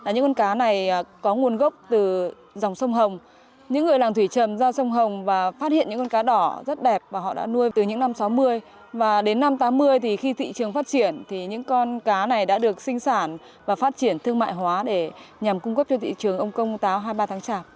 những con cá này đã được sinh sản và phát triển thương mại hóa để nhằm cung cấp cho thị trường ông công táo hai mươi ba tháng chạp